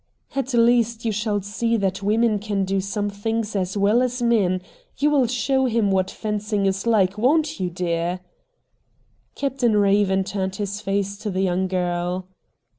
' At least you shall see that women can do some things as well as men. You will show him what fencing is like, won't you, dear? ' Captain Eaven turned his face to the young girl.